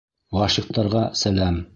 Ғашиҡтарға сәләм!